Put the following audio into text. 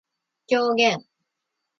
狂言